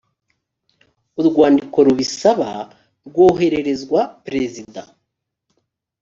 urwandiko rubisaba rwohererezwa perezida